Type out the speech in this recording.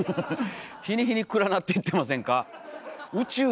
日に日に暗なっていってませんか。